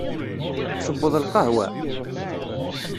Tesseweḍ lqahwa?